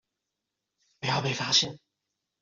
不要被發現